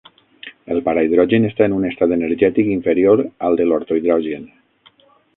El parahidrogen està en un estat energètic inferior al de l'ortohidrogen.